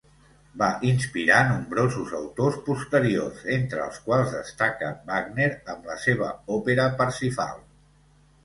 Va inspirar nombrosos autors posteriors, entre els quals destaca Wagner amb la seva òpera Parsifal.